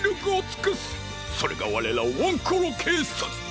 それがわれらワンコロけいさつ！